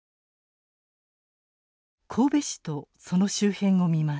神戸市とその周辺を見ます。